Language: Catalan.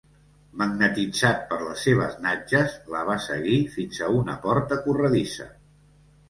Magnetitzat per les seves natges, la va seguir fins a una porta corredissa.